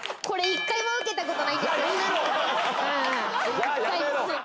じゃあやめろ！